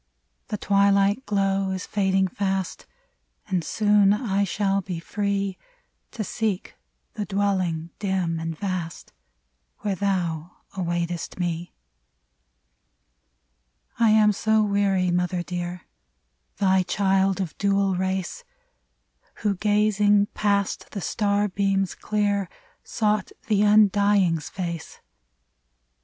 The twilight glow is fading fast, And soon I shall be free To seek the dwelling, dim and vast, Where thou awaitest me. I am so weary, mother dear !— Thy child, of dual race, Who gazing past the star beams clear. Sought the Undying's face